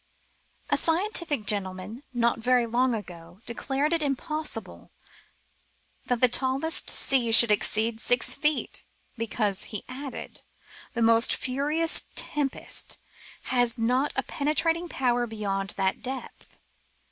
A scientific gentleman, not very long ago, declared it impossible that the tallest sea could exceed six feet, because, he added, the most furious tempest has not a penetrating power beyond that depth